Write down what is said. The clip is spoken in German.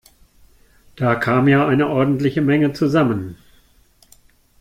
Da kam ja eine ordentliche Menge zusammen!